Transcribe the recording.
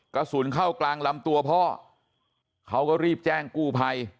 กระสุนเข้ากลางลำตัวพ่อเขาก็รีบแจ้งกู้ภัย